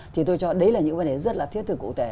thì tôi cho đấy là những vấn đề rất là thiết thực cụ thể